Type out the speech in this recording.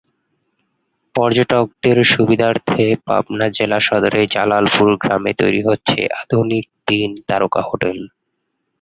পর্যটকদের সুবিধার্থে পাবনা জেলা সদরে জালালপুর গ্রামে তৈরি হচ্ছে আধুনিক তিন তারকা হোটেল।